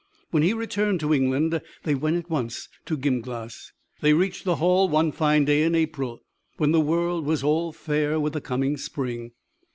When he returned to England, they went at once to Gymglas. They reached the hall one fine day in April, when the world was all fair with the coming spring.